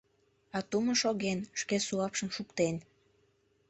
А тумо шоген, шке суапшым шуктен.